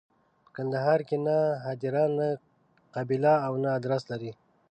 په کندهار کې نه هدیره، نه قبیله او نه ادرس لري.